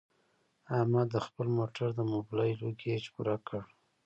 احمد د خپل موټر د مبلایلو ګېچ پوره کړ.